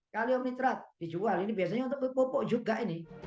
kalio mitrat dijual ini biasanya untuk bobo juga ini